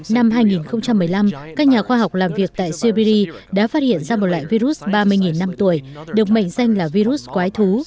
năm hai nghìn một mươi năm các nhà khoa học làm việc tại siberia đã phát hiện ra một loại virus ba mươi năm tuổi được mệnh danh là virus quái thú